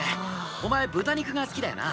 お前豚肉が好きだよな。